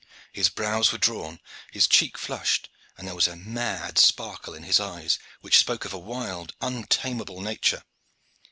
His brows were drawn, his cheek flushed, and there was a mad sparkle in his eyes which spoke of a wild, untamable nature.